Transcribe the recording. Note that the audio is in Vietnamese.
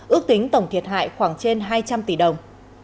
ước tính tổng thiệt hại khoảng trên hai trăm linh tỷ đồng